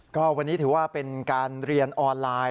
ก็วันนี้ถือว่าเป็นการเรียนออนไลน์